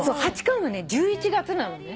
８巻はね１１月なのね。